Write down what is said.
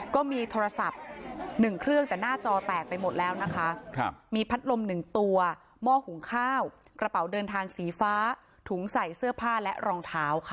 ก็มีโทรศัพท์๑เครื่องแต่หน้าจอแตกไปหมดแล้วนะคะมีพัดลม๑ตัวหม้อหุงข้าวกระเป๋าเดินทางสีฟ้าถุงใส่เสื้อผ้าและรองเท้าค่ะ